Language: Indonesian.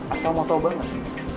atau mau tau banget